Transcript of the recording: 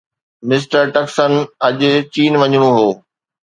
mister Nixon اڄ چين وڃڻو هو